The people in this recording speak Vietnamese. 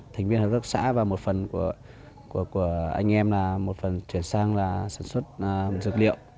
thành viên hợp tác xã và một phần của anh em là một phần chuyển sang là sản xuất dược liệu